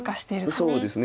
そうですね。